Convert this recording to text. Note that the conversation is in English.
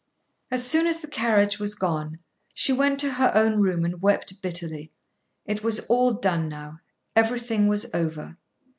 As soon as the carriage was gone, she went to her own room and wept bitterly. It was all done now. Everything was over.